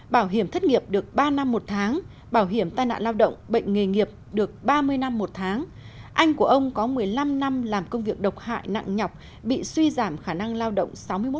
bảo hiểm thất nghiệp được ba năm một tháng bảo hiểm tai nạn lao động bệnh nghề nghiệp được ba mươi năm một tháng anh của ông có một mươi năm năm làm công việc độc hại nặng nhọc bị suy giảm khả năng lao động sáu mươi một